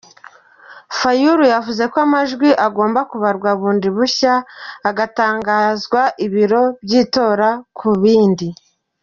Fayulu yavuze ko amajwi agomba kubarwa bundi bushya, agatangazwa ibiro by’itora ku bindi.